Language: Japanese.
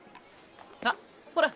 あっほら。